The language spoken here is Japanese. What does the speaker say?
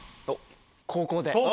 後攻で。